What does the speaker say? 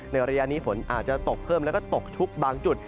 ระยะนี้ฝนอาจจะตกเพิ่มแล้วก็ตกชุกบางจุด